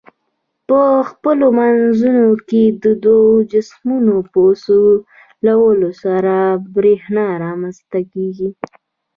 په خپلو منځو کې د دوو جسمونو په سولولو سره برېښنا رامنځ ته کیږي.